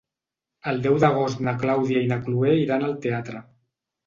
El deu d'agost na Clàudia i na Cloè iran al teatre.